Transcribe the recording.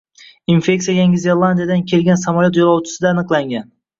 Infeksiya Yangi Zelandiyadan kelgan samolyot yo‘lovchisida aniqlangan